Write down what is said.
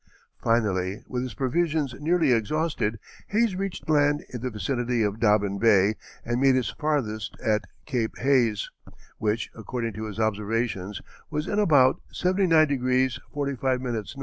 Finally, with his provisions nearly exhausted, Hayes reached land in the vicinity of Dobbin Bay and made his farthest at Cape Hayes, which, according to his observations, was in about 79° 45´ N.